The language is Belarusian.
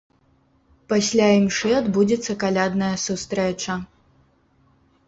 Пасля імшы адбудзецца калядная сустрэча.